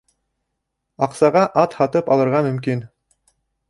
Аҡсаға ат һатып алырға мөмкин.